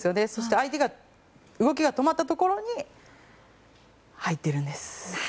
相手の動きが止まったところに入っているんです。